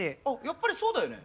やっぱりそうだよね。